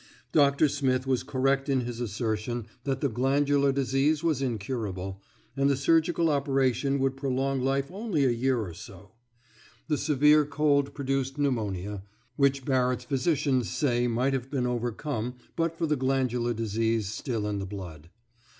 Doctor Smith was correct in his assertion that the glandular disease was incurable, and the surgical operation would prolong life only a year or so; the severe cold produced pneumonia; which Barrett's physicians say might have been overcome but for the glandular disease still in the blood.